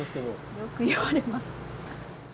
よく言われます。